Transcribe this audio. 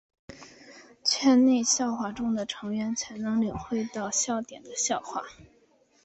圈内笑话中的成员才能领会到笑点的笑话。